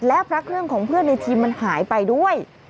และพระเครื่องของเพื่อนในทีมมันหายไปด้วย